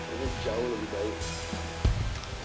ini jauh lebih baik